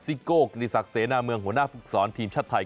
ซิโกกในศักดิ์เสนอเมืองหัวหน้าภูเขาสอนทีมชัดไทย